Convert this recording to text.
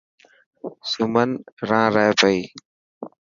سمن ران رهي پئي.